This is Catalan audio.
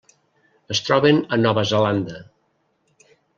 Es troben a Nova Zelanda.